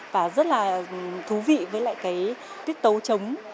và rất là thú vị với lại cái tiết tấu trống